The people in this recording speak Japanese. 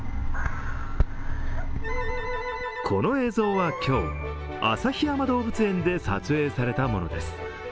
この映像は今日、旭山動物園で撮影されたものです。